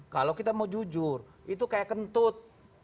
kalau kita mau jujur itu kayak kentut